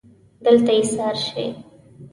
دلته ایسار شئ